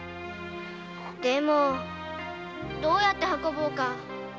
でもどうやって運ぼうか？